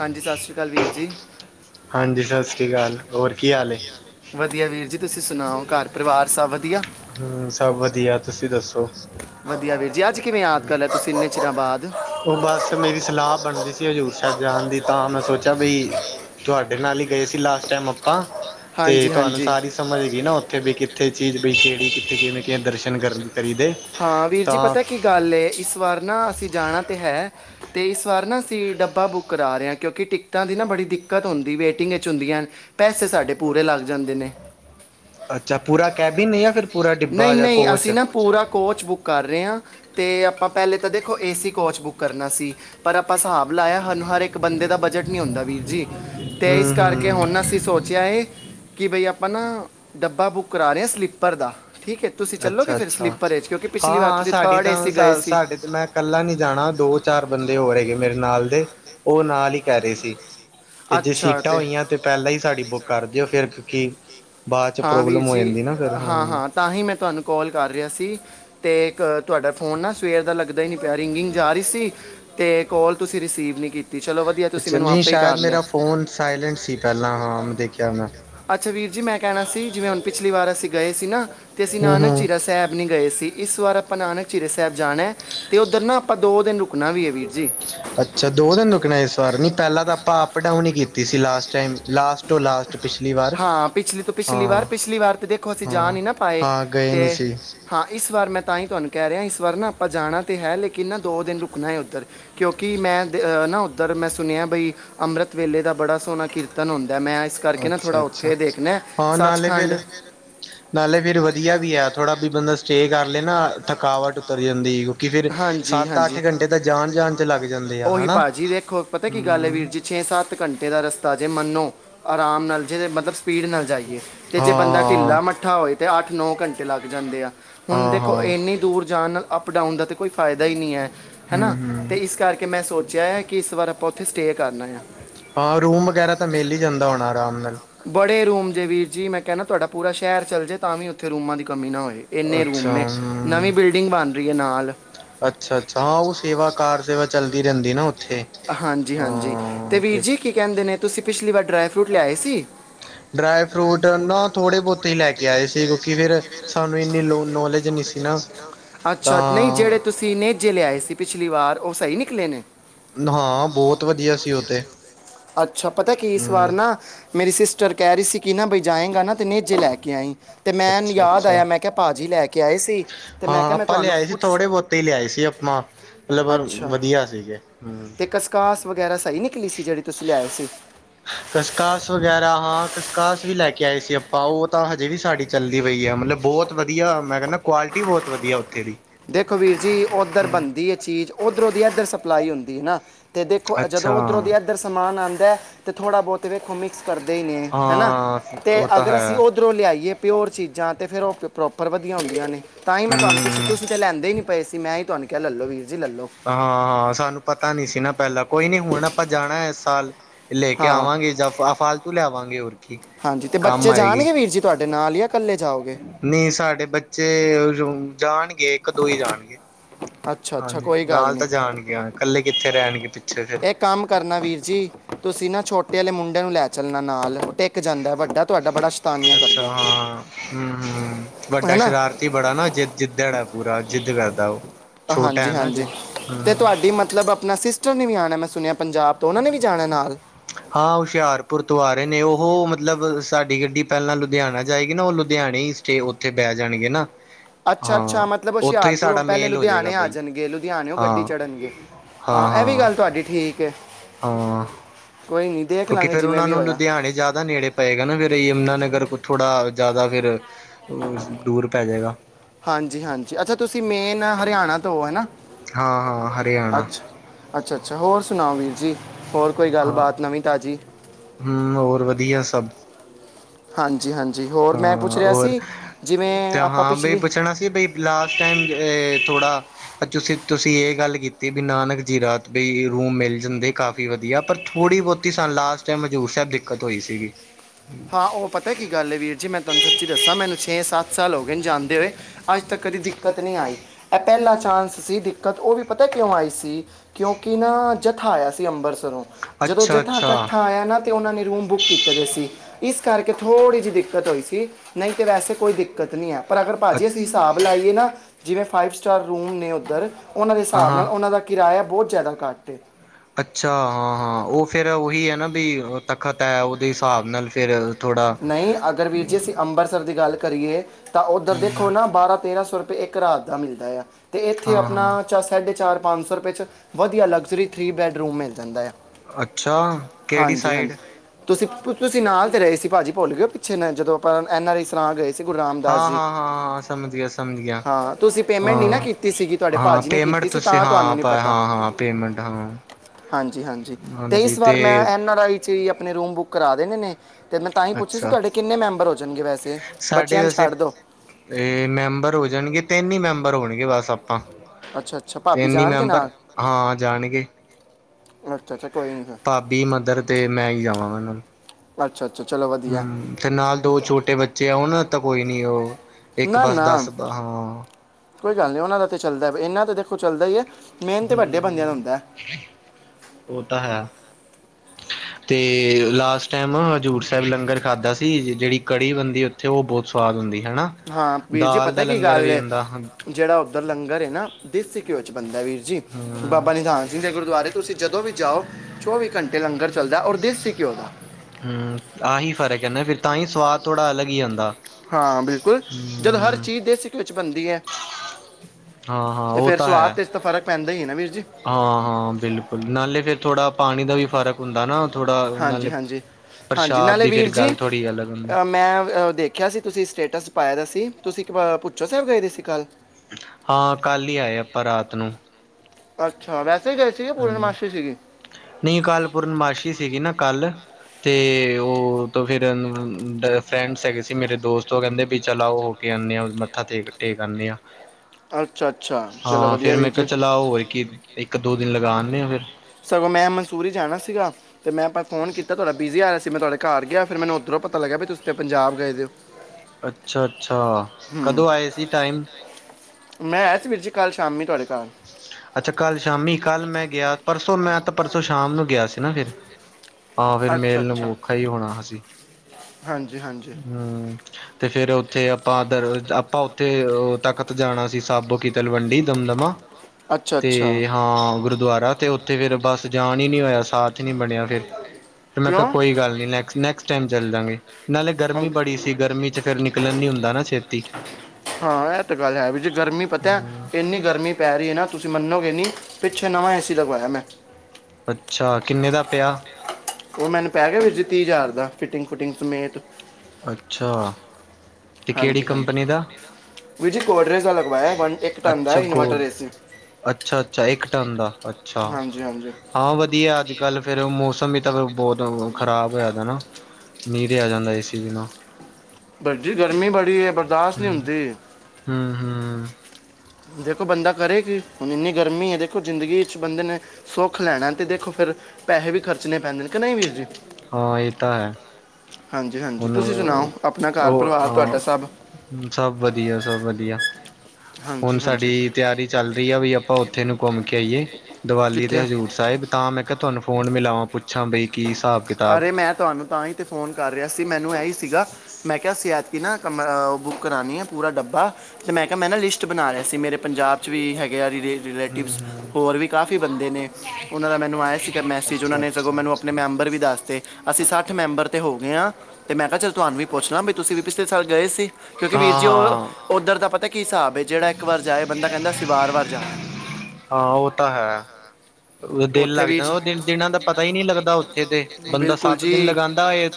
ਹਾਂਜੀ ਸਤਿ ਸ਼੍ਰੀ ਅਕਾਲ ਵੀਰ ਜੀ ਹਾਂਜੀ ਸਤਿ ਸ੍ਰੀ ਅਕਾਲ ਹੋਰ ਕੀ ਹਾਲ ਵਧੀਆ ਵੀਰ ਜੀ ਤੁਸੀਂ ਸੁਣਾਓ ਘਰ ਪਰਿਵਾਰ ਸਭ ਵਧੀਆ? ਹੂੰ ਸਭ ਵਧੀਆ ਤੁਸੀਂ ਦੱਸੋ ਵਧੀਆ ਵੀਰ ਜੀ ਅੱਜ ਕਿਵੇਂ ਯਾਦ ਕਰ ਲਿਆ ਤੁਸੀਂ ਇੰਨੇ ਚਿਰਾਂ ਬਾਅਦ। ਉਹ ਬਸ ਮੇਰੀ ਸਲਾਹ ਬਣਦੀ ਸੀ ਹਜ਼ੂਰ ਸਾਹਿਬ ਜਾਣ ਦੀ ਤਾਂ ਮੈਂ ਸੋਚਿਆ ਬਈ ਤੁਹਾਡੇ ਨਾਲ ਹੀ ਗਏ ਸੀ ਲਾਸਟ ਟਾਈਮ ਆਪਾਂ ਤੇ ਹਾਂਜੀ ਤੁਹਾਨੂੰ ਹਾਂਜੀ ਸਾਰੀ ਸਮਝ ਗਈ ਨਾ ਉੱਥੇ ਵੀ ਕਿੱਥੇ ਚੀਜ਼ ਪਈ ਕਿਹੜੀ ਕਿੱਥੇ ਕਿਵੇਂ ਕਿਵੇਂ ਦਰਸ਼ਨ ਕਰਨ ਕਰੀ ਦੇ ਹਾਂ ਵੀਰ ਜੀ ਤਾਂ ਪਤਾ ਕੀ ਗੱਲ ਇਸ ਵਾਰ ਨਾ ਅਸੀਂ ਜਾਣਾ ਤੇ ਹੈ ਅਤੇ ਇਸ ਵਾਰ ਨਾ ਅਸੀਂ ਡੱਬਾ ਬੁੱਕ ਕਰਾ ਰਹੇ ਹਾਂ ਕਿਉਂਕਿ ਟਿਕਟਾਂ ਦੀ ਨਾ ਬੜੀ ਦਿੱਕਤ ਹੁੰਦੀ ਵੇਟਿੰਗ ਵਿੱਚ ਹੁੰਦੀਆਂ ਹਨ ਪੈਸੇ ਸਾਡੇ ਪੂਰੇ ਲੱਗ ਜਾਂਦੇ ਨੇ ਅੱਛਾ ਪੂਰਾ ਕੈਬਿਨ ਜਾਂ ਕਹਿਦੀ ਫਿਰ ਨਹੀਂ ਪੂਰਾ ਅਗਰ ਡਿੱਬਾ ਨਹੀਂ ਜਾਂ ਨਹੀਂ ਕੋਚ ਅਸੀਂ ਨਾ ਪੂਰਾਂ ਕੋਚ ਬੁੱਕ ਕਰ ਰਹੇ ਹਾਂ ਅਤੇ ਆਪਾਂ ਪਹਿਲੇ ਤਾਂ ਦੇਖੋ ਏ ਸੀ ਕੋਚ ਬੁੱਕ ਕਰਨਾ ਸੀ ਪਰ ਆਪਾਂ ਹਿਸਾਬ ਲਾਇਆ ਸਾਨੂੰ ਹਰ ਇੱਕ ਬੰਦੇ ਦਾ ਬਜਟ ਨਹੀਂ ਹੁੰਦਾ ਵੀਰ ਜੀ ਤੇ ਹੂੰ ਇਸ ਕਰਕੇ ਹੁਣ ਹੂੰ ਅਸੀਂ ਸੋਚ ਕਿ ਬਈ ਆਪਾਂ ਨਾ ਡੱਬਾ ਬੁੱਕ ਕਰਾ ਰਹੇ ਹਾਂ ਸਲੀਪਰ ਦਾ ਠੀਕ ਹੈ ਤੁਸੀਂ ਚੱਲੋਗੇ ਅੱਛਾ ਫਿਰ ਅੱਛਾ ਸਲੀਪਰਚ ਕਿਉਂਕਿ ਹਾਂ ਪਿਛਲੀ ਵਾਰ ਹਾਂ ਤੁਸੀਂ ਸਾਡੀ ਥਰਡ ਏ ਤਾਂ ਸੀ ਗਏ ਸਾ ਸੀ ਸਾਡੇ ਮੈਂ ਕੱਲਾ ਨੀ ਜਾਣਾ ਦੋ ਚਾਰ ਬੰਦੇ ਹੋ ਰਹੇਗੇ ਮੇਰੇ ਨਾਲ ਦੇ ਉਹ ਨਾਲ ਹੀ ਕਹਿ ਰਹੇ ਸੀ ਤੇ ਜੇ ਸੀਟਾਂ ਹੋਈਆਂ ਤੇ ਪਹਿਲਾਂ ਹੀ ਸਾਡੀ ਬੁੱਕ ਕਰ ਦਿਓ ਫਿਰ ਕਿਉਂਕਿ ਬਾਅਦ ਚ ਹਾਂ ਵੀਰ ਪ੍ਰੋਬਲਮ ਹੋ ਜੀ ਜਾਂਦੀ ਨਾ ਫਿਰ ਹਾਂ ਤਾਂ ਹੀ ਮੈਂ ਤੁਹਾਨੂੰ ਕੋਲ ਕਰ ਰਿਹਾ ਸੀ ਅਤੇ ਇੱਕ ਤੁਹਾਡਾ ਫ਼ੋਨ ਨਾ ਸਵੇਰ ਦਾ ਲੱਗਦਾ ਹੀ ਨਹੀਂ ਪਿਆ ਰਿੰਗਿੰਗ ਜਾ ਰਹੀ ਸੀ ਤੇ ਕਲ ਤੁਸੀਂ ਰਿਸੀਵ ਨੀ ਕੀਤੀ ਚਲੋ ਵਧੀਆ ਤੁਸੀਂ ਅੱਛਾ ਮੈਨੂੰ ਨਹੀਂ ਆਪੇ ਹੀ ਸ਼ਾਇਦ ਕਰ ਲਿਆ ਮੇਰਾ ਫੋਨ ਸਾਇਲੈਂਟ ਸੀ ਪਹਿਲਾਂ ਹਾਂ ਮੈਂ ਦੇਖਿਆ ਮੈਂ ਅੱਛਾ ਵੀਰ ਜੀ ਮੈਂ ਕਹਿਣਾ ਸੀ ਜਿਵੇਂ ਹੁਣ ਪਿਛਲੀ ਵਾਰ ਅਸੀਂ ਗਏ ਸੀ ਨਾ ਤੇ ਅਸੀਂ ਹੂੰ ਨਾਨਕ ਹੂੰ ਚੀਰਾ ਸਾਹਿਬ ਨਹੀਂ ਗਏ ਸੀ ਇਸ ਵਾਰ ਆਪਾਂ ਨਾਨਕ ਚੀਰੇ ਸਾਹਿਬ ਜਾਣਾ ਤੇ ਉੱਧਰ ਨਾ ਆਪਾਂ ਦੋ ਦਿਨ ਰੁਕ [unintelligible] ਅੱਛਾ ਦੋ ਦਿਨ ਨੂੰੁਕਣਾ ਇਸ ਵਾਰ ਨੀ ਪਹਿਲਾਂ ਤਾਂ ਆਪਾਂ ਅਪ ਡਾਊਨ ਹੀ ਕੀਤੀ ਸੀ last time last to last ਪਿਛਲੀ ਵਾਰ ਹਾਂ ਪਿਛਲੀ ਤੋਂ ਪਿਛਲੀ ਵਾਰ ਹਾਂ ਪਿਛਲੀ ਵਾਰ ਤੇ ਦੇਖੋ ਅਸੀਂ ਹਾਂ ਜਾਈ ਨਾ ਪਾਏ ਹਾਂ ਗਏ ਨਹੀਂ ਤੇ ਸੀ ਹਾਂ ਇਸ ਵਾਰ ਮੈਂ ਤਾਂ ਹੀ ਤੁਹਾਨੂੰ ਕਹਿ ਰਿਹਾ ਇਸ ਵਾਰ ਨਾ ਆਪਾਂ ਜਾਣਾ ਤਾਂ ਹੈ ਲੇਕਿਨ ਨਾ ਦੋ ਦਿਨ ਰੁਕਣਾ ਹੈ ਉੱਧਰ ਕਿਉਂਕਿ ਮੈਂ ਨਾ ਉੱਧਰ ਮੈਂ ਸੁਣਿਆ ਬਈ ਅੰਮ੍ਰਿਤ ਵੇਲੇ ਦਾ ਬੜਾ ਸੋਹਣਾ ਕੀਰਤਨ ਹੁੰਦਾ ਹੈ ਮੈਂ ਇਸ ਕਰਕੇ ਨਾ ਥੋੜਾ ਅੱਛਾ ਅੱਛਾ ਉੱਥੇ ਦੇਖਣਾ ਹਾਂ ਨਾਲੇ ਸੱਚਖੰਡ ਫਿਰ ਨਾਲੇ ਫੇਿਰ ਵਧੀਆ ਵੀ ਆ ਥੋੜਾ ਵੀ ਬੰਦਾ ਸਟੇਅ ਕਰ ਲਏ ਨਾ ਥਕਾਵਟ ਉਤਰ ਜਾਂਦੀ ਕਿ ਫਿਰ ਹਾਂਜੀ ਸੱਤ ਹਾਂਜੀ ਅੱਠ ਘੰਟੇ ਤਾਂ ਜਾਣ ਜਾਣ ਚ ਲੱਗ ਜਾਂਦੇ ਆ ਹਨਾ ਹਮ ਛੇ ਸੱਤ ਘੰਟੇ ਦਾ ਰਸਤਾ ਜੇ ਮੰਨੋ ਆਰਾਮ ਨਾਲ ਜੇ ਮਤਲਬ ਸਪੀਡ ਨਾਲ ਜਾਈਏ ਤੇੇ ਬੰਦਾ ਰਟੀ ਹਾਂ ਲ ਮਟ ਇਕੱਠਾ ਹੋਏ ਤੇ ਅੱਠ ਨੌ ਘੰਟੇ ਲੱਗ ਜਾਂਦੇ ਆ ਹੁਣ ਹਾਂ ਦੇਖੋ ਹਾਂ ਇੰਨੀ ਦੂਰ ਜਾਣ ਅਪ ਡਾਊਨ ਦਾ ਤਾਂ ਕੋਈ ਫਾਇਦਾ ਹੀ ਨਹੀਂ ਹੈ ਹੈ ਨਾ ਹਮ ਅਤੇ ਹਮ ਇਸ ਕਰਕੇ ਮੈਂ ਸੋਚਿਆ ਹੈ ਕਿ ਇਸ ਵਾਰ ਆਪਾਂ ਉੱਥੇ ਸਟਅ ਕਰਨਾ ਆ ਹਾਂ ਰੂਮ ਵਗੈਰਾ ਤਾਂ ਮਿਲ ਹੀ ਜਾਂਦਾ ਹੋਣਾ ਆਰਾਮ ਨਾਲ ਬੜੇ ਰੂਮ ਜੇ ਵੀਰ ਜੀ ਮੈਂ ਕਹਿੰਣਾ ਤੁਹਾਡਾ ਪੂਰਾ ਸ਼ਹਿਰ ਚੱਲ ਜਾੇ ਤਾਂ ਵੀ ਉੱਥੇ ਰੂਮਾਂ ਦੀ ਕਮੀ ਨਾ ਹੋਵੇ ਇੰਨੇ ਰੂਮ ਅੱਛਾ ਨੇ ਨਵੀਂ ਹਮ ਬਿਲਡਿੰਗ ਬਣ ਰਹੀ ਹੈ ਨਾਲ ਅੱਛਾ ਅੱਛਾ ਹਾਂ ਉਹ ਸੇਵਾ ਕਾਰ ਸੇਵਾ ਚੱਲਦੀ ਰਹਿੰਦੀ ਨਾ ਉੱਥੇ ਹਾਂਜੀ ਹਾਂਜੀ ਤੇ ਹਾਂ ਵੀਰ ਫਿਰ ਜੀ ਕੀ ਕਹਿੰਦੇ ਨੇ ਤੁਸੀਂ ਪਿਛਲੀ ਵਾਰ ਡਰਾਈ ਫਰੂਟ ਲਿਆਏ ਸੀ ਡਰਾਈ ਫਰੂਟ ਨਾ ਥੋੜੇ ਬਹੁਤੇ ਲੈ ਕੇ ਆਏ ਸੀ ਕਿਉਂਕਿ ਫੇਿਰ ਸਾਨੂੰ ਇੰਨੇ ਲੋੂ ਤਾਂ ਅੱਛਾ ਨਹੀਂ ਜਿਹੜੇ ਤੁਸੀਂ ਨੇਜੇ ਲਿਆਏ ਸੀ ਪਿਛਲੀ ਵਾਰ ਉਹ ਸਹੀ ਨਿਕਲੇ ਨੇ ਹਾਂ ਬਹੁਤ ਵਧੀਆ ਸੀ ਉਥੇ ਅੱਛਾ ਪਤਾ ਕੀ ਇਸ ਵਾਰ ਨਾ ਮੇਰੀ ਸਿਸਟਰ ਕਹਿ ਰਹੀ ਸੀ ਕਿ ਨਾ ਬਈ ਜਾਏਗਾ ਨਾ ਅਤੇ ਨੇਜੇ ਲੈ ਕੇ ਆਈ ਅਤੇ ਮੈੂੰ ਅੱਛਾ ਯਾਦ ਅੱਛਾ ਆਇਆ ਮੈਂ ਕਿਹਾ ਭਾ ਜੀ ਲੈ ਕੇ ਆਏ ਸੀ ਅਤੇ ਮੈਂ ਹਾਂ ਕਿਹਾ ਮੈਂ ਆਪਾਂ ਤੁਹਾਨੂੰ ਲਿਆਏ ਸੀ ਕੁਛ ਥੋੜੇ ਬਹੁਤੇ ਲਿਆਏ ਸੀ ਆਪਾ ਮਤਲਬ ਵਧੀਆ ਸੀਗੇ ਹਮ ਕਾਸ ਵਗੈਰਾ ਸਹੀ ਨਿਕਲੀ ਸੀ ਜਿਹੜੀ ਤੁਸੀਂ ਲਿਆਏ ਸੀ ਕਸਕਾਸ ਵਗੈਰਾ ਹਾਂ ਕਸਕਾਸ ਵੀ ਲੈ ਕੇ ਆਏ ਸੀ ਆਪਾਂ ਉਹ ਤਾਂ ਹਜੇ ਵੀ ਸਾਡੀ ਚੱਲਦੀ ਪਈ ਹੈ ਮਤਲਬ ਬਹੁਤ ਵਧੀਆ ਮੈਂ ਕਹਿੰਦਾ ਕੁਆਲਿਟੀ ਬਹੁਤ ਵਧੀਆ ਉੱਥੇ ਦੀ ਦੇਖੋ ਵੀਰ ਜੀ ਉੱਧਰ ਹੂੰ, ਬਣਦੀ ਹੈ ਚੀਜ਼ ਉੱਧਰੋਂ ਦੀ ਇੱਧਰ ਸਪਲਾਈ ਹੁੰਦੀ ਹੈ ਨਾ ਤੇ ਦੇਖੋ ਅੱਛਾ ਜਦੋਂ ਉੱਧਰੋਂ ਦੀ ਇਧਰ ਸਮਾਨ ਆਉਂਦਾ ਹੈ ਤੇ ਥੋੜ੍ਹਾ ਬਹੁਤ ਵੇਖੋ ਮਿਕਸ ਕਰਦੇ ਹੀ ਨੇ ਹਨਾ ਹਾਂ ਤੇ ਉਹ ਤਾਂ ਅਗਰ ਅਸੀਂ ਹੈ ਉਹ ਧਰੋਂ ਲਿਆਈਏ ਪਿਓਰ ਚੀਜ਼ਾਂ ਤੇ ਫੇਰ ਉਹ ਪ੍ਰੋਪਰ ਵਧੀਆ ਹੁੰਦੀਆਂ ਨੇ ਤਾਂ ਹੀ ਮੈਂ ਤੁਹਾਨੂੰ ਤੁਸੀ ਹੂੰ ਤੁਸੀਂ ਚ ਲੈਂਦੇ ਨੀ ਪਏ ਸੀ ਮੈਂ ਨਹੀਂ ਤੁਹਾਨੂੰ ਕਿਹਾ ਲੋ ਵੀਰ ਜੀ ਲੈੱਲੋ ਹਾਂ ਹਾਂ ਸਾਨੂੰ ਪਤਾ ਨੀ ਸੀ ਨਾ ਪਹਿਲਾਂ ਕੋਈ ਨੀ ਹੁਣ ਆਪਾਂ ਜਾਣਾ ਇਸ ਸਾਲ ਲੈ ਕੇ ਹਾਂ ਆਵਾਂਗੇ ਫਾਲਤੂ ਲਿਆਵਾਂਗੇ ਹੋਰ ਕੀ ਹਾਂਜੀ ਤੇ ਕੰਮ ਬੱਚੇ ਆਏਗੀ ਜਾਣਗੇ ਵੀਰ ਜੀ ਤੁਹਾਡੇ ਨਾਲ ਜਾਂ ਇਕੱਲੇ ਜਾਓਗੇ ਨਹੀਂ ਸਾਡੇ ਬੱਚੇ ਜਾਣਗੇ ਇੱਕ ਦੋ ਹੀ ਜਾਣਗੇ ਅੱਛਾ ਅੱਛਾ ਹਾਂਜੀ ਕੋਈ ਗੱਲ ਨਾਲ ਨਹੀਂ ਤਾਂ ਜਾਣਗੇ ਇਕੱਲੇ ਕਿੱਥੇ ਰਹਿਣਗੇ ਪਿੱਛੇ ਫਿਰ ਇਹ ਕੰਮ ਕਰਨਾ ਵੀਰ ਜੀ ਤੁਸੀਂ ਨਾ ਛੋਟੇ ਵਾਲੇ ਮੁੰਡੇ ਨੂੰ ਲੈ ਚੱਲਣਾ ਨਾਲ ਟਿੱਕ ਜਾਂਦਾ ਵੱਡਾ ਤੁਹਾਡਾ ਬੜਾ ਸ਼ਤਾਨ ਅੱਛਾ ਹਾਂ ਹਮ ਹਮ ਵੱਡਾ ਹੈਨਾ ਸ਼ਰਾਰਤੀ ਬੜਾ ਨਾ ਜਿੱ ਜਿੱਦ ਪੂਰਾ ਜਿੱਦ ਕਰਦਾ ਉਹ ਛੋਟਾ ਹੈ ਹਾਂਜੀ ਨਾ ਅਜੇ ਹਾਂਜੀ ਤੇ ਹੂੰ। ਤੁਹਾਡੀ ਮਤਲਬ ਆਪਣਾ ਸਿਸਟਰ ਨੇ ਵੀ ਆਉਣਾ ਮੈਂ ਸੁਣਿਆ ਪੰਜਾਬ ਤੋਂ ਉਹਨਾਂ ਨੇ ਵੀ ਜਾਣਾ ਨਾਲ ਹਾਂ ਹੁਸ਼ਿਆਰਪੁਰ ਤੋਂ ਆ ਰਹੇ ਨੇ ਉਹ ਮਤਲਬ ਸਾਡੀ ਗੱਡੀ ਪਹਿਲਾਂ ਲੁਧਿਆਣਾ ਜਾਏਗੀ ਨਾ ਉਹ ਲੁਧਿਆਣੇ ਹੀ ਤੇ ਉੱਥੇ ਬਹਿ ਜਾਣਗੇ ਨਾ ਅੱਛਾ ਹਾਂ ਅੱਛਾ ਮਤਲਬ ਉੱਥੋਂ ਹੀ ਹੁਸ਼ਿਆਰਪੁਰ ਸਾਡਾ ਪਹਿਲੇ ਮੇਲ ਹੋ ਜਾਏਗਾ ਲੁਧਿਆਣੇ ਆ ਬਈ। ਜਾਣਗੇ ਲੁਧਿਆਣੇਓ ਗੱਡੀ ਹਾਂ ਚੜ੍ਹਨਗੇ ਹਾਂ ਇਹ ਵੀ ਗੱਲ ਤੁਹਾਡੀ ਠੀਕ ਹੈ ਹਾਂ। ਕੋਈ ਨੀ ਕਿਉਂਕਿ ਫੇਰ ਉਹਨਾਂ ਨੂੰ ਲੁਧਿਆਣੇ ਜ਼ਿਆਦਾ ਨੇੜੇ ਪਏਗਾ ਨਾ ਫੇਿਰ ਯਮੁਨਾ ਨਗਰ ਥੋੜ੍ਹਾ ਜ਼ਿਆਦਾ ਫੇਿਰ ਦੂਰ ਪੈ ਜਾਏਗਾ ਹਾਂਜੀ ਹਾਂਜੀ ਅੱਛਾ ਤੁਸੀਂ ਮੇਨ ਹਰਿਆਣਾ ਤੋਂ ਹੈ ਨਾ ਹਾਂ ਹਾਂ ਹਰਿਆਣਾ ਅੱਛਾ ਅੱਛਾ ਅੱਛਾ ਹੋਰ ਸੁਣਾਓ ਵੀਰ ਜੀ ਹੋਰ ਕੋਈ ਹਾਂ ਗੱਲਬਾਤ ਨਵੀਂ ਤਾਜ਼ੀ ਹਮ ਹੋਰ ਵਧੀਆ ਸਭ ਹਾਂਜੀ ਹਾਂਜੀ ਹੋ ਹਾਂ ਹੋਰ ਤੇ ਆਪਾਂ ਹਾਂ ਬਈ ਪਿਛਲੀ ਪੁੱਛਣਾ ਸੀ ਬਈ ਲਾਸਟ ਟਾਈਮ ਅ ਥੋੜ੍ਹਾ ਤੁਸੀਂ ਤੁਸੀਂ ਇਹ ਗੱਲ ਕੀਤੀ ਵੀ ਨਾਨਕ ਜੀ ਰਾਤ ਬ ਰੂਮ ਮਿਲ ਜਾਂਦੇ ਕਾਫੀ ੀ ਵਧੀਆ ਪਰ ਥੋੜੀ ਬਹੁਤੀ ਸਾਨੂੰ ਲਾਸਟ ਟਾਈਮ ਹਜ਼ੂਰ ਸਾਹਿਬ ਦਿੱਕਤ ਹੋਈ ਸੀਗੀ ਹਾਂ ਉਹ ਪਤਾ ਕੀ ਗੱਲ ਹੈ ਵੀਰ ਜੀ ਮੈਂ ਤੁਹਾਨੂੰ ਸੱਚੀ ਦੱਸਾਂ ਮੈਨੂੰ ਛੇ ਸੱਤ ਸਾਲ ਹੋ ਗਏ ਨੇ ਜਾਣਦੇ ਹੋਏ ਅੱਜ ਤੱਕ ਕਦੀ ਦਿੱਕਤ ਨਹੀਂ ਆਈ ਇਹ ਪਹਿਲਾ ਚਾਂਸ ਸੀ ਦਿੱਕਤ ਉਹ ਵੀ ਪਤਾ ਕਿਉਂ ਆਈ ਸੀ ਕਿਉਂਕਿ ਨਾ ਜਥਾ ਆਇਆ ਸੀ ਅੰਬਰਿਤਸਰੋਂ ਜਦੋਂ ਅੱਛਾ ਜਥਾ ਅੱਛਾ ਇਕੱਠਾ ਆਇਆ ਨਾ ਅਤੇ ਉਹਨਾਂ ਨੇ ਰੂਮ ਬੁੱਕ ਕੀਤੇ ਦੇ ਸੀ ਇਸ ਕਰਕੇ ਥੋੜ੍ਹੀ ਜਿਹੀ ਦਿੱਕਤ ਹੋਈ ਸੀ ਨਹੀਂ ਤਾਂ ਵੈਸੇ ਕੋਈ ਦਿੱਕਤ ਨਹੀਂ ਆ ਪਰ ਅਗਰ ਭਾਅ ਜੀ ਅਸੀਂ ਹਿਸਾਬ ਲਾਈਏ ਨਾ ਜਿਵੇਂ ਫਾਈਵ ਸਟਾਰ ਰੂਮ ਨੇ ਉੱਧਰ ਉਹਨਾਂ ਦੇ ਹਾਂ ਹਿਸਾਬ ਹਾਂ ਨਾਲ ਉਹਨਾਂ ਦਾ ਕਿਰਾਇਆ ਬਹੁਤ ਜ਼ਿਆਦਾ ਘੱਟ ਹੈ ਅੱਛਾ ਹਾਂ ਹਾਂ ਉਹ ਫਿਰ ਉਹੀ ਹ ਨਾ ਵੀ ਤਖਤ ਹ ਉਹਦੇ ਹਿਸਾਬ ਨਾਲ ਫੇਰ ਨਹੀਂ ਅਗਰ ਵੀਰ ਜੀ ਅਸੀਂ ਅੰਮ੍ਰਿਤਸਰ ਦੀ ਗੱਲ ਕਰੀਏ ਤਾਂ ਉੱਧਰ ਦੇਖੋ ਨਾ ਬਾਰਾਂ ਤੇਰਾਂ ਸੌ ਰੁਪਏ ਇੱਕ ਰਾਤ ਦਾ ਮਿਲਦਾ ਆ ਤੇ ਇੱਥੇ ਹਾਂ ਹਾਂ ਆਪਣਾ ਸਾਢੇ ਚਾਰ ਪੰਜ ਸੌ ਰੁਪਏ ਚ ਵਧੀਆ ਲਗਜ਼ਰੀ ਥ੍ਰਰੀ ਬੈਡ ਰੂਮ ਮਿਲ ਜਾਂਦਾ ਹੈ ਅੱਛਾ ਕਿਹੜੀ ਸਾਈਡ ਤੁਸੀਂ ਤੁਸੀਂ ਨਾਲ ਤੇ ਰਹੇ ਸੀ ਭਾਜੀ ਭੁੱਲ ਗਓ ਪਿੱਛੇ ਜਦੋਂ ਆਪਾਂ ਐਨ ਆਰ ਆਈ ਸਰਾ ਗਏ ਗੁਰੂ ਹਾਂ ਰਾਮਦਾਸ ਜੀ ਹਾਂ ਹਾਂ ਹਾਂ ਸਮਝ ਗਿਆ ਸਮਝ ਗਿਆ ਹਾਂ ਤੁਸੀਂ ਪੇਮੈਂਟ ਨੀ ਨਾ ਹਾਂ ਕੀਤੀ ਸੀਗੀ ਤੁਹਾਡੇ ਹਾਂ ਭਾਜੀ ਨੇ ਪੇਮੈਂਟ ਕੀਤੀ ਸੀ ਤੁਸੀਂ ਤਾਂ ਤੁਹਾਨੂੰ ਹਾਂ ਨੀ ਪਾ ਪਤਾ ਹਾਂ ਹਾਂ ਪੇਮੈਂਟ ਹਾਂ ਹਾਂਜੀ ਹਾਂਜੀ ਤੇ ਇਸ ਵਾਰ ਮੈਂ ਐੱਨ ਆਰ ਆਈ 'ਚ ਹੀ ਆਪਣੇ ਰੂਮ ਬੁੱਕ ਕਰਾ ਦੇਣੇ ਨੇ ਤੇ ਮੈਂ ਤਾਂ ਹੀ ਪੁੱਛੇ ਸੀ ਅੱਛਾ ਤੁਹਾਡੇ ਕਿੰਨੇ ਮੈਂਬਰ ਹੋ ਜਾਣਗੇ ਵੈਸੇ ਬੱਚਿਆਂ ਨੂੰ ਛੱਡ ਦੋ ਤੇ ਮੈਂਬਰ ਹੋ ਜਾਣਗੇ ਤਿੰਨ ਹੀ ਮੈਂਬਰ ਹੋਣਗੇ ਬਸ ਆਪਾਂ ਅੱਛਾ ਅੱਛਾ ਭਾਬੀ ਤਿੰਨੀ ਜਾਣ ਕੇ ਮੈਂਬਰ ਨਾਲ ਹਾਂ ਜਾਣਗੇ ਅੱਛਾ ਅੱਛਾ ਕੋਈ ਨੀ ਫਿਰ ਭਾਬੀ ਮੰਦਰ ਤੇ ਮੈਂ ਹੀ ਜਾਵਾਂਗਾ ਇਹਨਾਂ ਨੂੰ ਅੱਛਾ ਅੱਛਾ ਚਲੋ ਵਧੀਆ ਹਮ ਤੇ ਨਾਲ ਦੋ ਛੋਟੇ ਬੱਚੇ ਆ ਨਾ ਤਾਂ ਕੋਈ ਨੀ ਉਹ ਇੱਕ ਨਾ ਬਸ ਨਾ ਦਸ ਹਾਂ ਕੋਈ ਗੱਲ ਨਹੀਂ ਉਹਨਾਂ ਦਾ ਤਾਂ ਚੱਲਦਾ ਇਨਾਂ ਤਾਂ ਦੇਖੋ ਚੱਲਦਾ ਹੀ ਹੈ ਮੇਨ ਤੇ ਵੱਡੇ ਹਮ ਬੰਦਿਆਂ ਦਾ ਹਮ ਹੁੰਦਾ ਹੈ ਉਹ ਤਾਂ ਹੈ ਤੇ ਲਾਸਟ ਟਾਈਮ ਹਜ਼ੂਰ ਸਾਹਿਬ ਲੰਗਰ ਖਾਧਾ ਸੀ ਜਿਹੜੀ ਕੜੀ ਬੰਦੀ ਤੇ ਉਹ ਬਹੁਤ ਸਵਾਦ ਹੁੰਦੀ ਹੈਨਾ ਹਾਂ ਵੀਰ ਜੀ ਪਤਾ ਕੀ ਗੱਲ ਹੈ ਹੂੰ ਜਿਹੜਾ ਉੱਧਰ ਲੰਗਰ ਹੈ ਨਾ ਦੇਸੀ ਘਿਓ 'ਚ ਬਣਦਾ ਵੀਰ ਜੀ ਹੂੰ ਬਾਬਾ ਨਿਦਾਨ ਜਿਦੇ ਗੁਰਦੁਆਰੇ ਤੁਸੀਂ ਜਦੋਂ ਵੀ ਜਾਓ ਚੌਵੀ ਘੰਟੇ ਲੰਗਰ ਚੱਲਦਾ ਔਰ ਦੇਸੀ ਘਿਓ ਦਾ ਹਾਂ ਆਹੀ ਫਰਕ ਹੈ ਨਾ ਫਿਰ ਤਾਂਹੀ ਸਵਾਦ ਥੋੜ੍ਹਾ ਅਲੱਗ ਹੀ ਆਂਦਾ ਹਾਂ ਹੂੰ ਹਾਂ ਹਾਂ ਤੇ ਉਹ ਫੇਰ ਤਾਂ ਸਵਾਦ ਹੈ ਤੇ ਤਾਂ ਫ਼ਰਕ ਪੈਂਦਾ ਹੀ ਨਾ ਵੀਰ ਜੀ ਹਾਂ ਹਾਂ ਬਿਲਕੁਲ ਨਾਲੇ ਫਿਰ ਥੋੜ੍ਹਾ ਪਾਣੀ ਦਾ ਵੀ ਫਰਕ ਹੁੰਦਾ ਨਾ ਥੋੜ੍ਹਾ ਹਾਂਜੀ ਨਾਲੇ ਹਾਂਜੀ ਹਾਂਜੀ ਪ੍ਰਸ਼ਾਦ ਨਾਲੇ ਦੀ ਵੀਰ ਫਿਰ ਜੀ ਗੱਲ ਥੋੜ੍ਹੀ ਅਲੱਗ ਹੁੰਦੀ ਅ ਮੈਂ ਦੇਖ ਆਖਿਆ ਸੀ ਤੁਸੀਂ ਸਟੇਟਸ ਪਾਇਆ ਦਾ ਸੀ ਤੁਸੀਂ ਇੱਕ ਭੁੱਚੋ ਸਾਹਿਬ ਗਏ ਦੇ ਸੀ ਕੱਲ੍ਹ ਹਾਂ ਕੱਲ ਹੀ ਆਏ ਆਪਾਂ ਰਾਤ ਨੂੰ ਅੱਛਾ ਵੈਸੇ ਹੀ ਗਏ ਸੀਗੇ ਹਾਂਜੀ ਪੂਰਨਮਾਸ਼ੀ ਸੀਗੀ ਨਹੀਂ ਕੱਲ ਪੂਰਨਮਾਸ਼ੀ ਸੀਗੀ ਨਾ ਕੱਲ ਤੇ ਉਹ ਤਾਂ ਫਿਰ ਫਰੈਂਡਸ ਹੈਗੇ ਸੀ ਮੇਰੇ ਦੋਸਤ ਉਹ ਕਹਿੰਦੇ ਵੀ ਚਲ ਆਓ ਆਨੇ ਆ ਮੱਥਾ ਟੇਕ ਟੇਕ ਆਨੇ ਆ ਅੱਛਾ ਅੱਛਾ ਚਲੋ ਹਾਂ ਵਧੀਆ ਫਿਰ ਵੀਰ ਮੈਂ ਕਿਹਾ ਜੀ ਚਲਾ ਹੋਰ ਕੀ ਇੱਕ ਦੋ ਦਿਨ ਲਗਾਉਣ ਦੇ ਆ ਫਿਰ ਸਗੋਂ ਮੈਂ ਮਨਸੂਰੀ ਜਾਣਾ ਸੀਗਾ ਤੇ ਮੈਂ ਆਪਾਂ ਫੋਨ ਕੀਤਾ ਤੁਹਾਡਾ ਬੀਜੀ ਆ ਰਿਹਾ ਸੀ ਮੈਂ ਤੁਹਾਡੇ ਘਰ ਗਿਆ ਫਿਰ ਮੈਨੂੰ ਉੱਧਰੋਂ ਪਤਾ ਲੱਗਿਆ ਵੀ ਤੁਸੀਂ ਪੰਜਾਬ ਗਏ ਹੋਇ ਹੋ ਅੱਛਾ ਅੱਛਾ ਕਦੋਂ ਆਏ ਸੀ ਟਾਈਮ ਮੈਂ ਆਇਆ ਸੀ ਵੀਰ ਜੀ ਕੱਲ ਸ਼ਾਮੀ ਤੁਹਾਡੇ ਘਰ ਅੱਛਾ ਕੱਲ ਸ਼ਾਮੀ ਕੱਲ ਮੈਂ ਗਿਆ ਪਰਸੋਂ ਮੈਂ ਤਾਂ ਪਰਸੋਂ ਸ਼ਾਮ ਨੂੰ ਗਿਆ ਸੀ ਨਾ ਫਿਰ ਹਾਂ ਫਿਰ ਅੱਛਾ ਮੇਲ ਨੂੰ ਅੱਛਾ ਔਖਾ ਹੀ ਹੋਣਾ ਅਸੀ ਹਾਂਜੀ ਹਾਂਜੀ ਹਮ ਤੇ ਫਿਰ ਉੱਥੇ ਆਪਾਂ ਦ ਆਪਾਂ ਉੱਥੇ ਤਖ਼ਤ ਜਾਣਾ ਸੀ ਸਾਬੋ ਕੀ ਤਲਵੰਡੀ ਦਮਦਮਾ ਅੱਛਾ ਤੇ ਅੱਛਾ ਹਾਂ ਗੁਰਦੁਆਰਾ ਤੇ ਉੱਥੇ ਫਿਰ ਬਸ ਜਾਣ ਹੀ ਨਹੀਂ ਹੋਇਆ ਸਾਥ ਨਹੀਂ ਬਣਿਆ ਫਿਰ ਤੇ ਮੈਂ ਕਿਹਾ ਕੋਈ ਗੱਲ ਨੀ ਨੈਕਸਟ ਨੈਕਸਟ ਟਾਈਮ ਚੱਲ ਜਾਂਗੇ ਨਾਲੇ ਹਾਂ। ਗਰਮੀ ਬੜੀ ਸੀ ਗਰਮੀ ਚ ਫੇਰ ਨਿਕਲਣ ਨੀ ਹੁੰਦਾ ਨਾ ਛੇਤੀ ਹਾਂ ਇਹ ਤੇ ਗੱਲ ਹੈ ਵੀਰ ਜੀ ਗਰਮੀ ਪਤਾ ਹੂੰ ਇੰਨੀ ਗਰਮੀ ਪੈ ਰਹੀ ਹੈ ਨਾ ਤੁਸੀਂ ਮੰਨੋਗੇ ਨਹੀਂ ਪਿੱਛੇ ਨਵਾਂ ਏ ਸੀ ਲਗਵਾਇਆ ਮੈਂ ਅੱਛਾ ਕਿੰਨੇ ਦਾ ਪਿਆ ਉਹ ਮੈਨੂੰ ਪੈ ਗਿਆ ਫ ਤੀਹ ਹਜ਼ਾਰ ਦਾ ਫਿਟਿੰਗ ਫੁਟਿੰਗ ਸਮੇਤ ਅੱਛਾ ਅਤੇ ਕਿਹੜੀ ਹਾਂਜੀ ਹਾਂਜੀ ਕੰਪਨੀ ਦਾ ਵੀਰ ਜੀ ਕੋਡਰੇਜ ਦਾ ਲਗਵਾਇਆ ਵ ਇੱਕ ਟਨ ਦਾ ਅੱਛਾ ਇਨਵਰਟਰ ਗੋਦ ਏ ਸੀ ਅੱਛਾ ਅੱਛਾ ਇੱਕ ਟਨ ਦਾ ਅੱਛਾ ਹਾਂਜੀ ਹਾਂਜੀ ਹਾਂ ਵਧੀਆ ਅੱਜ ਕੱਲ੍ਹ ਫੇਿਰ ਮੌਸਮ ਵੀ ਤਾਂ ਫ ਬਹੁਤ ਖ਼ਰਾਬ ਹੋਇਆ ਦਾ ਨਾ ਨੀਰੇ ਆ ਜਾਂਦਾ ਏ ਸੀ ਬਿਨਾਂ ਬਡੀ ਗਰਮੀ ਬੜੀ ਹੈ ਬਰਦਾਸ਼ਤ ਨਹੀਂ ਹੁੰਦੀ ਹਮ ਹ ਦੇਖੋ ਬੰਦਾ ਕਰੇ ਕੀ ਹੁਣ ਇੰਨੀ ਗਰਮੀ ਹੈ ਦੇਖੋ ਜ਼ਿੰਦਗੀ 'ਚ ਬੰਦੇ ਨੇ ਸੁੱਖ ਲੈਣਾ ਤੇ ਦੇਖੋ ਫਿਰ ਪੈਸੇ ਵੀ ਖਰਚਣੇ ਪੈਂਦੇ ਨੇ ਕਿ ਨਹੀਂ ਵੀਰ ਜੀ ਹਾਂ ਇਹ ਤਾਂ ਹੈ ਹਾਂਜੀ ਹਾਂਜੀ ਹੁਣ ਤੁਸੀਂ ਸੁਣਾਓ ਆਪਣਾ ਘਰ ਉਹ ਪਰਿਵਾਰ ਹਾਂ ਤੁਹਾਡਾ ਸਭ ਸਭ ਵਧੀਆ ਸਭ ਵਧੀਆ ਹਾਂਜੀ ਹੁਣ ਹਾਂਜੀ ਸਾਡੀ ਤਿਆਰੀ ਚੱਲ ਰਹੀ ਆ ਵੀ ਆਪਾਂ ਉੱਥੇ ਨੂੰ ਘੁੰਮ ਕੇ ਆਈਏ ਦੀਵਾਲੀ ਤੇ ਕਿੱਥੇ ਹਜ਼ੂਰ ਸਾਹਿਬ ਤਾਂ ਮੈਂ ਕਿਹਾ ਤੁਹਾਨੂੰ ਫੋਨ ਮਿਲਾਵਾਂ ਪੁੱਛਾਂ ਬਈ ਕੀ ਹਿਸਾਬ ਕਿਤਾਬ ਅਰੇ ਮੈਂ ਤੁਹਾਨੂੰ ਤਾਂ ਹੀ ਤੇ ਫੋਨ ਕਰ ਰਿਹਾ ਸੀ ਮੈਨੂੰ ਇਹੀ ਸੀਗਾ ਮੈਂ ਕਿਹਾਿਆ ਸਦ ਕਿ ਨਾ ਕਮਰਾ ਉਹ ਬੁੱਕ ਕਰਉਣੀ ਆ ਪੂਰਾ ਡੱਬਾ ਤੇ ਮੈਂ ਕਿਹਾ ਮੈਂ ਨਾ ਲਿਸਟ ਬਣਾ ਰਿਹਾ ਸੀ ਮੇਰੇ ਪੰਜਾਬ ਚ ਵੀ ਹੈਗੇ ਆ ਹੂੰ ਰਿਲੇਟਿਵਸ ਹੂੰ ਹੋਰ ਵੀ ਕਾਫੀ ਬੰਦੇ ਨੇ ਉਹਨਾਂ ਦਾ ਮੈਨੂੰ ਆਇਆ ਸੀਗਾ ਮੈਸੇਜ ਉਹਨਾਂ ਅੱਛਾ ਨੇ ਸਗੋਂ ਅੱਛਾ ਮੈਨੂੰ ਆਪ ਆਪਣੇ ਮੈਂਬਰ ਵੀ ਦੱਸਦੇ ਅਸੀਂ ਸੱਠ ਮੈਂਬਰ ਤੇ ਹੋ ਗਏ ਹਾਂ ਤੇ ਮੈਂ ਕਿਹਾ ਚੱਲ ਤੁਹਾਨੂੰ ਵੀ ਪੁੱਛ ਲਾਂ ਬਈ ਵੀ ਤੁਸੀਂ ਵੀ ਪਿਛਲੇ ਸਾਲ ਗਏ ਸੀ ਕਿਉਂਕਿ ਵੀਰ ਹਾਂ ਜੀ ਉਹ ਹਾਂ ਉੱਧਰ ਦਾ ਪਤਾ ਕੀ ਹਿਸਾਬ ਜਿਹੜਾ ਇੱਕ ਵਾਰ ਜਾਏ ਬੰਦਾ ਕਹਿੰਦਾ ਅਸੀਂ ਵਾਰ ਵਾਰ ਜਾਣਾ ਹਾਂ ਉਹ ਤਾਂ ਹੈ ਦਿਲ ਉੱਥੇ ਲੱਗ ਵੀ ਜਾਂਦਾ ਉਹ ਦਿ ਲੱਗਦਾ ਦਿਨਾਂ ਦਾ ਪਤਾ ਹੀ ਨਹੀਂੀ ਲੱਗਦਾ ਉੱਥੇ ਤੇ ਬੰਦਾ ਬਿਲਕੁਲ ਸੱਤ ਜੀ ਦਿਨ ਲਗਾਉਂਦਾ ਹੋਏ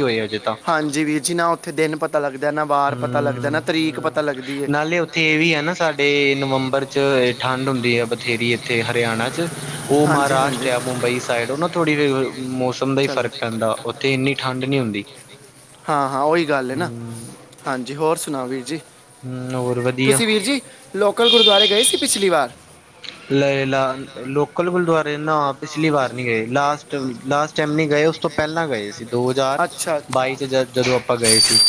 ਹੋਏ ਅਜੇ ਤਾਂ ਹਾਂਜੀ ਵੀਰ ਜੀ ਨਾ ਉੱਥੇ ਦਿਨ ਪਤਾ ਪਤਾ ਲੱਗਦਾ ਨਾ ਬਾਰ ਪਤਾ ਲੱਗਦਾ ਨਾ ਤਰੀਕ ਹਮ ਪਤਾ ਲੱਗਦੀ ਹੈ ਨਾਲੇ ਉੱਥੇ ਇਹ ਵੀ ਹੈ ਨਾ ਸਾਡੇ ਨਵੰਬਰ ਚ ਠੰਡ ਹੁੰਦੀ ਹੈ ਬਥੇਰੀ ਇੱਥੇ ਹਰਿਆਣਾ ਚ ਉਹ ਹਾਂਜੀ ਮਹਾਰਾਸ਼ਟ ਹਾਂਜੀ ਆ ਮੁੰਬਈ ਸਾਈਡ ਉਹ ਨਾ ਥੋੜ੍ਹੀ ਫ ਮੌਸਮ ਦਾ ਹੀ ਚੱਲ ਫ਼ਰਕ ਪੈਂਦਾ ਤੇ ਇੰਨੀ ਠੰਡ ਨਹੀਂ ਹੁੰਦੀ ਹਾਂ ਹਾਂ ਉਹੀ ਗੱਲ ਹੈ ਨਾ ਹੂੰ-ਹੂੰ ਹਾਂਜੀ ਹੋਰ ਸੁਣਾਓ ਵੀਰ ਜੀ ਹੋਰ ਵਧੀਆ ਤੁਸੀਂ ਵੀਰ ਜੀ ਲੋਕਲ ਗੁਰਦੁਆਰੇ ਗਏ ਸੀ ਪਿਛਲੀ ਵਾਰ ਲੈ ਲਾ ਲੋਕਲ ਗੁਰਦੁਆਰੇ ਨਾ ਪਿਛਲੀ ਵਾਰ ਨਹੀਂੀ ਗਏ ਲਾਸਟ ਲਾਸਟ ਟਾਈਮ ਨੀ ਗਏ ਉਸ ਤੋਂ ਪਹਿਲਾਂ ਗਏ ਸੀ ਦੋ ਹਜ਼ਾਰ ਅੱਛਾ ਅੱਛਾ ਬਾਈ ਚ ਜ ਜਦੋਂ ਆਪਾਂ ਗਏ ਸੀ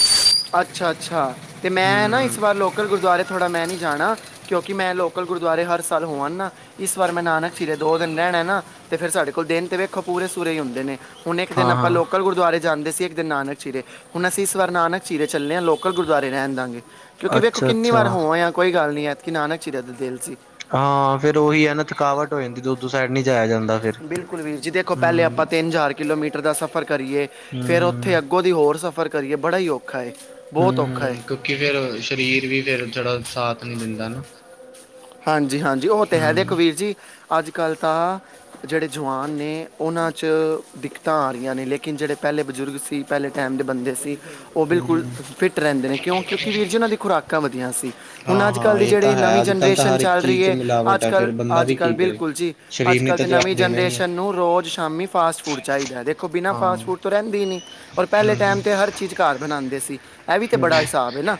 ਅੱਛਾ ਅੱਛਾ ਤੇ ਮੈਂ ਨਾ ਇਸ ਹੂੰ ਵਾਰ ਲੋਕਲ ਗੁਰਦੁਆਰੇ ਥੋੜ੍ਹਾ ਮੈਂ ਨਹੀਂ ਜਾਣਾ ਕਿਉਂਕਿ ਮੈਂ ਲੋਕਲ ਗੁਰਦੁਆਰੇ ਹਰ ਸਾਲ ਹੋ ਆ ਨਾ ਇਸ ਵਾਰ ਮੈਂ ਨਾਨਕ ਸ਼ਿਰੇ ਦੋ ਦਿਨ ਰਹਿਣਾ ਨਾ ਤੇ ਫਿਰ ਸਾਡੇ ਕੋਲ ਦਿਨ ਤੇ ਵਿੱਖੋ ਪੂਰੇ ਸੂਰ ਹੀ ਹੁੰਦੇ ਨੇ ਹੁਣ ਇੱਕ ਦਿਨ ਆਪਾਂ ਹਾਂ-ਹਾਂ ਲੋਕਲ ਗੁਰੂ ਗੁਰਦੁਆਰੇ ਜਾਂਦੇ ਸੀ ਇੱਕ ਦਿਨ ਨਾਨਕ ਚੀਰੇ ਹੁਣ ਅਸੀਂ ਇਸ ਵਾਰ ਨਾਨਕ ਚੀਰੇ ਚੱਲੇ ਹਾਂ ਲੋਕਲ ਗੁਰਦੁਆਰੇ ਰਹਿਣ ਦਾਂਗੇ ਕਿਉਂਕਿ ਵੇਖੋ ਕਿੰਨੀ ਵਾਰ ਅੱਛਾ-ਅੱਛਾ ਹੋਵ ਆ ਕੋਈ ਗੱਲ ਨਹੀਂ ਐਤਕੀ ਨਾਨਕ ਚੀਰਾ ਦਾ ਦਿਲ ਸੀ ਹਾਂ ਫੇਿਰ ਉਹੀ ਇਹ ਨਾ ਥਕਾਵਟ ਹੋ ਜਾਂਦੀ ਦੁੱਰ ਸਾਈਡ ਨੀ ਜਾਇਆ ਜਾਂਦਾ ਫਿਰ ਬਿਲਕੁਲ ਵੀਰ ਜੀ ਦੇਖੋ ਪਹਿਲੇ ਹੂੰ, ਆਪਾਂ ਹੂੰ, ਤਿੰਨ ਹਾਰ ਕਿਲੋਮੀਟਰ ਦਾ ਸਫ਼ਰ ਕਰੀਏ ਹੂੰ। ਫੇਰ ਉੱਥੇ ਹੂੰ, ਅੱਗੋਂ ਦੀ ਹੋਰ ਸਫ਼ਰ ਕਰੀਏ ਬੜਾ ਹੀ ਔਖਾ ਏ ਹਮ ਹਮ ਕਿਉਂਕਿ ਫੇਰ ਸਰੀਰ ਵੀ ਫੇਰ ਥੋੜਾ ਸਾਥ ਨੀ ਦਿੰਦਾ ਨਾ। ਹਾਂਜੀ-ਹਾਂਜੀ ਉਹ ਤੇ ਹੈ, ਹੂੰ, ਦੇਖੋ ਵੀਰ ਜੀ ਅੱਜ-ਕੱਲ ਤਾਂ ਜਿਹੜੇ ਜਵਾਨ ਨੇ ਉਹਨਾਂ 'ਚ ਦਿੱਕਤਾਂ ਆ ਰਿਆ ਨੇ ਲੇਕਿਨ ਜਿਹੜੇ ਪਹਿਲੇ ਬਜ਼ੁਰਗ ਸੀ। ਪਹਿਲੇ ਟੈਮ ਦੇ ਬੰਦੇ ਸੀ, ਉਹ ਹੂੰ, ਬਿਲਕੁਲ ਹੂੰ। ਫਿੱਟ ਰਹਿੰਦੇ ਨੇ ਕਿਉਂ, ਕਿਉਂਕਿ ਵੀਰ ਜੀ ਉਹਨਾਂ ਦੀ ਖੁਰਾਕਾਂ ਵਧੀਆ ਸੀ। ਹੁਣ ਅੱਜ-ਕੱਲ ਹਾਂ-ਹਾਂ ਦੇ ਇਹ ਜਿਹੜੇ ਤਾਂ ਹੈ ਨਵੀਂ ਜਨ ਅੱਜ-ਕੱਲ੍ਹ ਤਾਂ ਸ਼ਨ ਹਰ ਇੱਕ ਚੱਲ ਰਹੀ ਚੀਜ਼ 'ਚ ਏ ਮਿਲਾਵਟ ਹੈ ਅੱਜ-ਕੱਲ, ਫੇਰ ਬੰਦਾ ਵੀ ਅੱਜ-ਕੱਲ ਕੀ ਕਰੇ। ਬਿਲਕੁਲ ਜੀ, ਅੱਜ ਸਰੀਰ ਨੇ ਕੱਲ ਤਾਂ ਤੇ ਨਵੀਂ ਜਵਾਬ ਦੇਣਾ ਹੀ ਹੈ। ਜਨਰੇਸ਼ਨ ਨੂੰ ਰੋਜ਼ ਸ਼ਾਮੀ ਫਾਸਟ ਫੂਡ ਚਾਈਦਾ ਐ ਦੇਖੋ, ਬਿਨਾਂ ਹਾਂ, ਫਾਸਟ ਫੂਡ ਰਹਿੰਦੇ ਹੀ ਨੀ, ਔਰ ਪਹਿਲੇ ਟੈਮ ਤੇ ਹਰ ਚੀਜ਼ ਘਰ ਬਣਾਦੇ ਸੀ। ਇਹ ਵੀ ਤੇ ਹੂੰ, ਬੜਾ ਹਿਸਾਬ ਹੈ ਨਾ,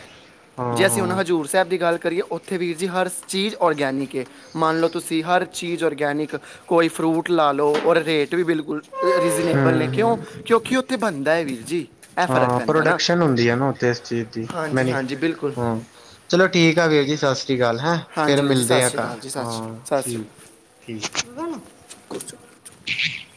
ਜੇ ਅਸੀਂ ਹੁਣ ਹਾਂ-ਹਾਂ, ਹਜ਼ੂਰ ਸਾਹਿਬ ਦੀ ਗੱਲ ਕਰੀਏ ਉੱਥੇ ਵੀਰ ਜੀ ਹਰ ਚੀਜ਼ ਔਰਗਨੀ ਏ। ਮੰਨ ਲਓ, ਤੁਸੀਂ ਹਰ ਚੀਜ਼ ਔਰਗੈਨਿਕ ਕੋਈ ਫਰੂਟ ਲਾ ਲਓ, ਔਰ ਰੇਟ ਵੀ ਬਿਲਕੁਲ ਰੀਜ਼ਨੇਬਲ ਨੇ ਕਿਉਂ ਹੂੰ-ਹੂੰ। ਕਿਉਂਕਿ ਉੱਥੇ ਬਣਦਾ ਹੈ, ਵੀਰ ਜੀ। ਇਹ ਫਰਕ ਹਾਂ ਪੈਂਦਾ ਨਾ ਪ੍ਰੋਡਕਸ਼ਨ ਹੁੰਦੀ ਹੈ, ਨਾ ਉੱਥੇ ਇਸ ਚੀਜ਼ ਦੀ ਹਾਂਜੀ ਮੈਨੀ ਹਾਂਜੀ ਬਿਲਕੁਲ ਹਾਂ। ਚਲੋ ਠੀਕ ਹੈ, ਵੀਰ ਜੀ ਸਤਿ ਸ਼੍ਰੀ ਅਕਾਲ ਹੈ। ਹਾਂਜੀ ਵੀਰ ਜੀ ਸਤਿ ਸ਼੍ਰੀ ਅਕਾਲ ਜੀ, ਸਤਿ ਸ਼੍ਰੀ ਸਤਿ ਠੀਕ। ਸ਼੍ਰੀ ਅਕਾਲ। ਹ [unintelligible]